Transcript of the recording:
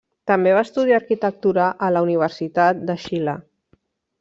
També va estudiar Arquitectura a la Universitat de Xile.